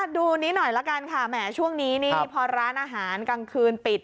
ดูนี้หน่อยแล้วกันช่วงนี้พอร้านอาหารกลางคืนปิด